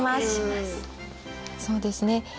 そうですね